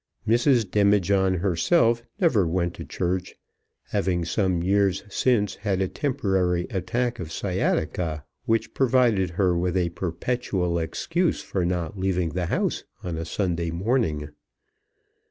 Mrs. Demijohn herself never went to church, having some years since had a temporary attack of sciatica, which had provided her with a perpetual excuse for not leaving the house on a Sunday morning.